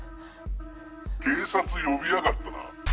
警察呼びやがったな？